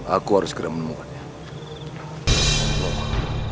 aku harus ke dalam menemukannya